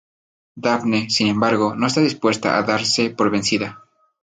Daphne, sin embargo, no está dispuesta a darse por vencida.